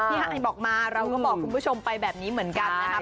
ไฮบอกมาเราก็บอกคุณผู้ชมไปแบบนี้เหมือนกันนะครับ